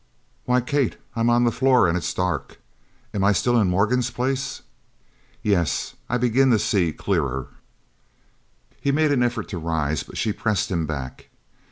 "Why, Kate, I'm on the floor and it's dark. Am I still in Morgan's place? Yes, I begin to see clearer." He made an effort to rise, but she pressed him back.